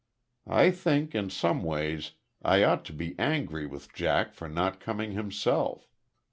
I think, in some ways, I ought to be angry with Jack for not coming himself....